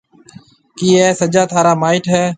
ڪِي اَي سجا ٿارا مائيٽ هيَ؟